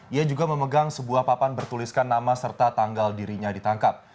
ia juga memegang sebuah papan bertuliskan nama serta tanggal dirinya ditangkap